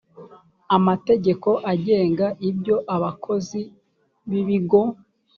amategeko agenga ibyo abakozi b ibigo